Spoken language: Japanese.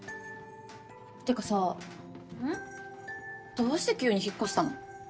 どうして急に引っ越したの？